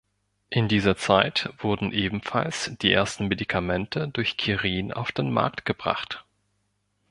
In dieser Zeit wurden ebenfalls die ersten Medikamente durch Kirin auf den Markt gebracht.